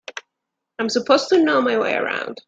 I'm supposed to know my way around.